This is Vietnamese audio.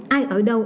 ai ở đâu